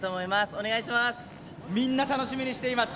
お願いします